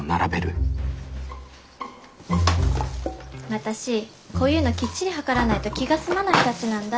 私こういうのきっちり量らないと気が済まないタチなんだ。